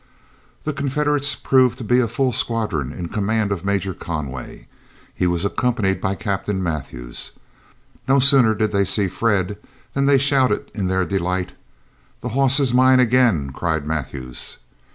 The Confederates proved to be a full squadron in command of Major Conway. He was accompanied by Captain Mathews. No sooner did they see Fred than they shouted in their delight. "The hoss is mine again!" cried Mathews.